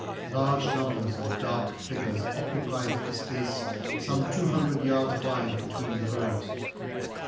Large numbers of dark figures occupied the space some two hundred yards wide between the groves.